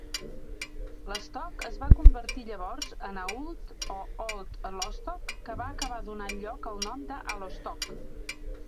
Lostock es va convertir llavors en "Auld" o "Old Lostock", que va acabar donant lloc al nom de Allostock.